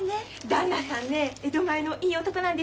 旦那さんね江戸前のいい男なんですってね？